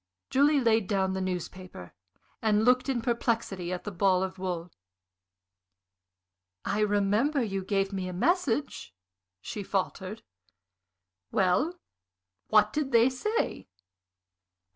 Julie laid down the newspaper and looked in perplexity at the ball of wool. "I remember you gave me a message," she faltered. "Well, what did they say?"